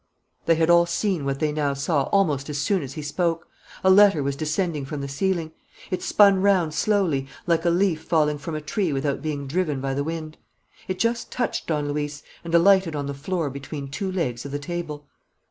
They had all seen what they now saw almost as soon as he spoke. A letter was descending from the ceiling. It spun round slowly, like a leaf falling from a tree without being driven by the wind. It just touched Don Luis and alighted on the floor between two legs of the table.